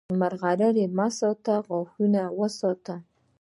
مرغلرې مه ساته، غاښونه وساته!